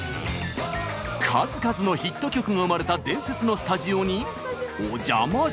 数々のヒット曲が生まれた伝説のスタジオにお邪魔しました！